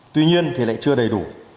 tuy nhiên thì lại chưa đầy đủ